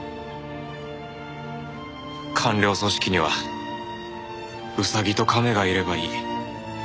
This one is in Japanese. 官僚組織にはウサギとカメがいればいい。